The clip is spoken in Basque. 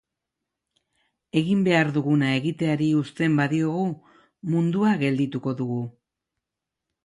Egin behar duguna egiteari uzten badiogu, mundua geldituko dugu.